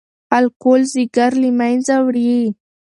الکول ځیګر له منځه وړي.